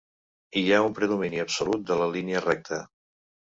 Hi ha un predomini absolut de la línia recta.